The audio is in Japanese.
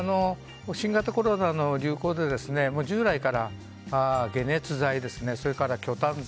新型コロナの流行で従来から解熱剤、そして除たん剤